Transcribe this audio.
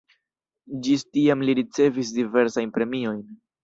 Ĝis tiam li ricevis diversajn premiojn.